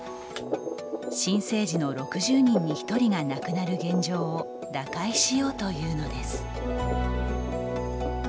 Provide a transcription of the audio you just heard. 新生児の６０人に１人が亡くなる現状を打開しようというのです。